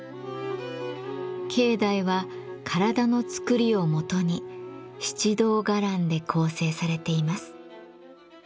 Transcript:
境内は体のつくりをもとに七堂伽藍で構成されています。